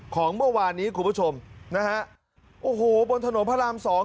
ของเมื่อวานนี้คุณผู้ชมนะฮะโอ้โหบนถนนพระรามสอง